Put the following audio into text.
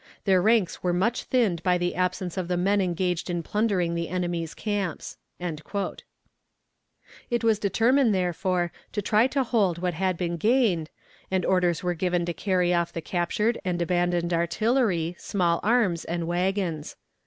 Their ranks were much thinned by the absence of the men engaged in plundering the enemy's camps." It was determined, therefore, to try to hold what had been gained, and orders were given to carry off the captured and abandoned artillery, small arms, and wagons.